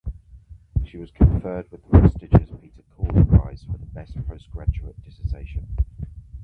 She was conferred with the prestigious Peter Caws Prize for the best postgraduate dissertation.